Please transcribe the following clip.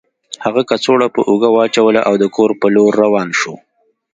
هغه کڅوړه په اوږه واچوله او د کور په لور روان شو